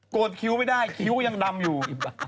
โกรธคิ้วไม่ได้คิ้วยังดำอยู่